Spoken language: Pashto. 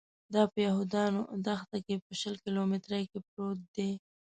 دا په یهودانو دښته کې په شل کیلومترۍ کې پروت دی.